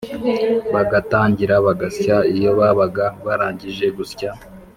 bagatangira bagasya iyo babaga barangije gusya